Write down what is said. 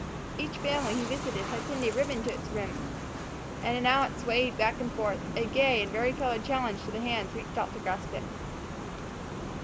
Each family he visited had pinned a ribbon to its rim; and now it swayed back and forth, a gay and varicolored challenge to the hands reached out to grasp it.